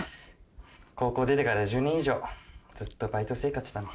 高校出てから１０年以上ずっとバイト生活だもん。